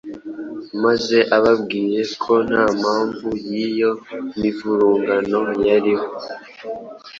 maze ababwiye ko nta mpamvu y’iyo mivurungano yariho